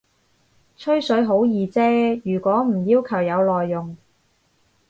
吹水好易啫，如果唔要求有內容